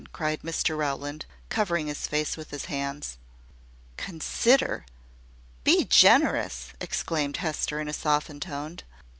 cried Mr Rowland, covering his face with his hands. "`Consider!' `Be generous!'" exclaimed Hester in a softened tone.